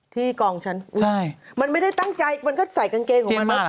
ที่กองฉันมันไม่ได้ตั้งใจมันก็ใส่กางเกงของมัน